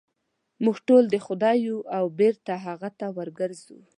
موږ ټول د خدای یو او بېرته هغه ته ورګرځو.